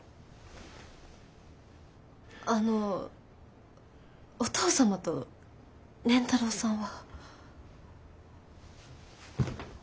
あのお父様と蓮太郎さんは。